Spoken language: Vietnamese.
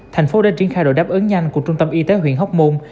thành phố đã triển khai đội đáp ứng nhanh của trung tâm y tế huyện hóc môn